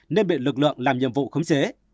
nên bị lực lượng làm nhiệm vụ khống chế